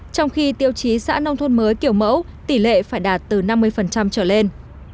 trong khi tiêu chí xã nông thôn mới kiểu mẫu tỷ lệ phải đạt từ năm mươi trở lên